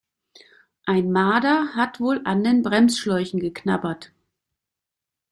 Ein Marder hat wohl an den Bremsschläuchen geknabbert.